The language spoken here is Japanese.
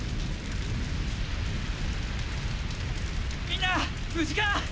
みんな無事か！？